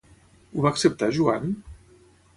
Ho va acceptar Joan?